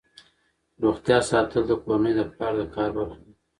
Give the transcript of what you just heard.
روغتیا ساتل د کورنۍ د پلار د کار برخه ده.